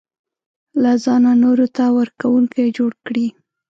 له ځانه نورو ته ورکوونکی جوړ کړي.